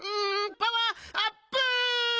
パワーアップ！